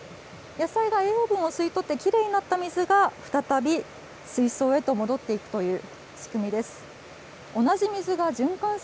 野菜が栄養分を吸い取ってきれいになった水が、再び水槽へと戻っていくという仕組みです。